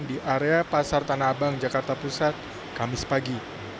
di area pasar tanah abang jakarta pusat kamis pagi